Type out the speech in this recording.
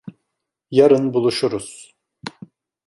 Yarın buluşuruz.